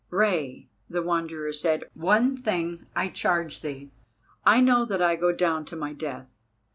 "Rei," the Wanderer said, "one thing I charge thee. I know that I go down to my death.